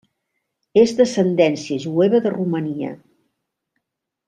És d'ascendència jueva de Romania.